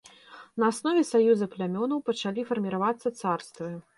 На аснове саюза плямёнаў пачалі фарміравацца царствы.